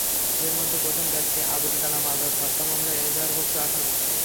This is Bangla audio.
এঁদের মধ্যে প্রথম ব্যক্তি আবুল কালাম আজাদ হত্যা মামলার এজাহারভুক্ত আসামি।